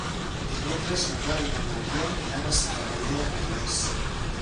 Dimecres na Mar i na Maria iran a Santa Maria de Merlès.